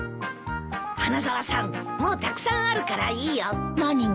花沢さんもうたくさんあるからいいよ。何が？